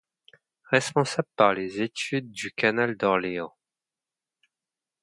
Responsable par les études du canal d'Orléans.